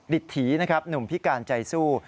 ิตถีนะครับหนุ่มพิการใจสู้